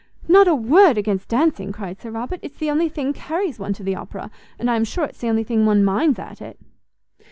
"Not a word against dancing!" cried Sir Robert, "it's the only thing carries one to the Opera; and I am sure it's the only thing one minds at it."